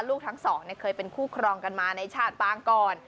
ลูกทั้งสองเคยเป็นคู่ครองกันมาในชาติปางก่อน